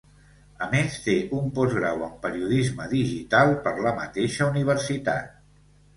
A més, té un postgrau en periodisme digital per la mateixa universitat.